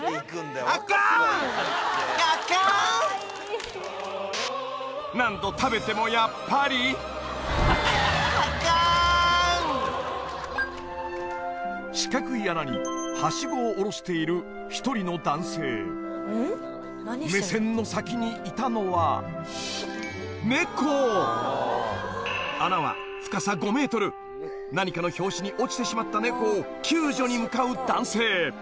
アカーンアカーン何度食べてもやっぱり四角い穴にハシゴを下ろしている１人の男性目線の先にいたのは穴は何かの拍子に落ちてしまった猫を救助に向かう男性